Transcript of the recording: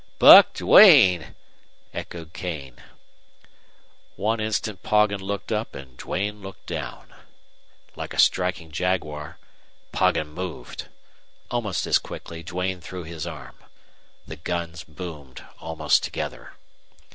"BUCK DUANE!" echoed Kane. One instant Poggin looked up and Duane looked down. Like a striking jaguar Poggin moved. Almost as quickly Duane threw his arm. The guns boomed almost together.